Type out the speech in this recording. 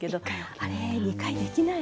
あれ２回できない。